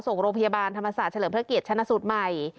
ส่งโรคพยาบาลธรรมศาสตร์เฉลิมเผื่อเกลียดชนสูตรใหม่